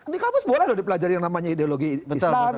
di kampus boleh loh dipelajari ideologi islam